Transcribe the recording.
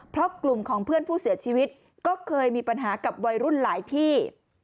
เพราะกลุ่มของเพื่อนผู้เสียชีวิตก็เคยมีปัญหากับวัยรุ่นหลายที่